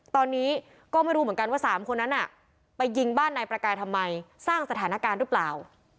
ตอนนี้ก็ไม่รู้เหมือนกันว่า๓คนนั้นไปยิงบ้านนายประกายทำไมสร้างสถานการณ์หรือเปล่า